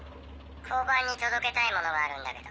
交番に届けたいものがあるんだけど。